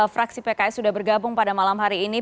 fraksi pks sudah bergabung pada malam hari ini